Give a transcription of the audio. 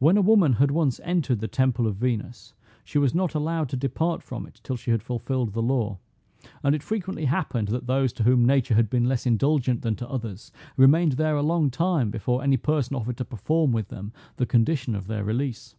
When a woman had once entered the temple of Venus, she was not allowed to depart from it till she had fulfilled the law: and it frequently happened that those to whom nature had been less indulgent than to others, remained there a long time before any person offered to perform with them the condition of their release.